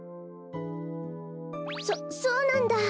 そそうなんだ。